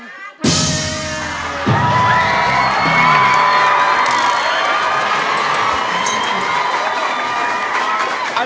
ใช่